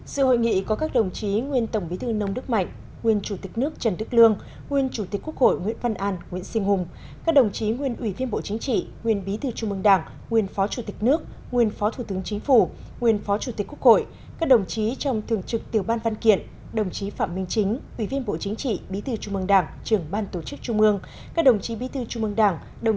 sự hội nghị có các đồng chí nguyên tổng bí thư nông đức mạnh nguyên chủ tịch nước trần đức lương nguyên chủ tịch quốc hội nguyễn văn an nguyễn sinh hùng các đồng chí nguyên ủy viên bộ chính trị nguyên bí thư trung mương đảng nguyên phó chủ tịch nước nguyên phó thủ tướng chính phủ nguyên phó chủ tịch quốc hội các đồng chí trong thường trực tiểu ban văn kiện đồng chí phạm minh chính ủy viên bộ chính trị bí thư trung mương đảng trưởng ban tổ chức trung mương các đồng chí bí thư trung mương đảng đồng